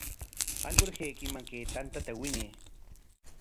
Alpurhaykiman kay tanta winay.